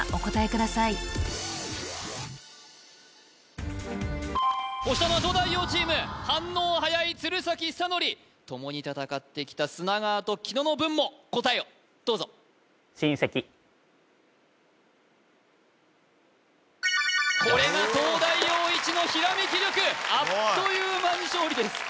ください押したのは東大王チーム反応はやい鶴崎修功共に戦ってきた砂川と紀野の分も答えをどうぞこれが東大王一の閃き力あっという間に勝利です